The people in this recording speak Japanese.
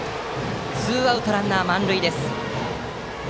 ツーアウト、ランナー満塁です。